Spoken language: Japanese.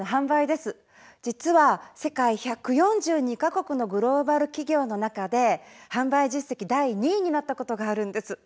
実は世界１４２か国のグローバル企業の中で販売実績第２位になったことがあるんです。